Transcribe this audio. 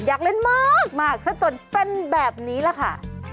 อยากเล่นมากมากถ้าจนเป็นแบบนี้ล่ะค่ะ